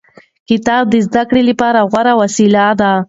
کتاب د زده کړې لپاره غوره وسیله ده.